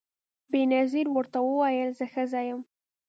بېنظیر ورته وویل زه ښځه یم